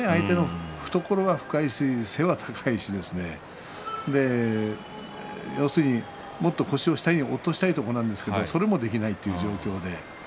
相手の懐は深いし構えは高いし要するに、もっと腰を下に落としたいところなんですけどもそれもできませんでした。